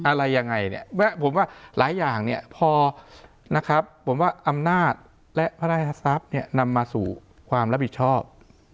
อะไรยังไงผมว่าหลายอย่างพออำนาจและพระราชทรัพย์นำมาสู่ความรับผิดชอบ